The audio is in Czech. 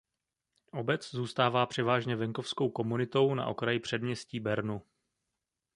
Obec zůstává převážně venkovskou komunitou na okraji předměstí Bernu.